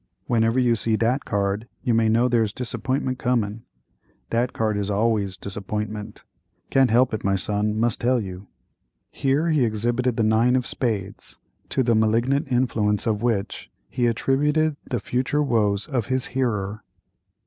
Whenever you see dat card you may know there's disappointment comin'—dat card is always disappointment—can't help it, my son, must tell you." Here he exhibited the nine of spades, to the malignant influence of which he attributed the future woes of his hearer.